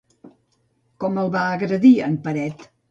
Com el va agredir en Peret?